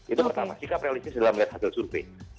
itu pertama sikap realistis dalam melihat hasil survei